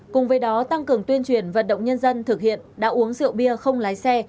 cùng với đó tăng cường tuyên truyền vận động nhân dân thực hiện đã uống rượu bia không lái xe